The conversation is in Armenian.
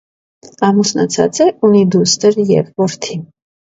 Ամուսնացած է, ունի դուստր և որդի։